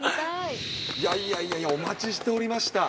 いやいや、お待ちしておりました。